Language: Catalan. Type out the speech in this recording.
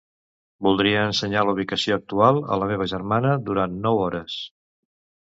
Voldria ensenyar la ubicació actual a la meva germana durant nou hores.